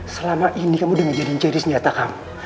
selama ini kamu udah ngejari inceri senjata kamu